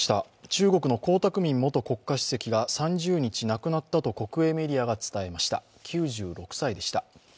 中国の江沢民元国家主席が３０日に亡くなったと国営メディアが伝えました、９６歳でした。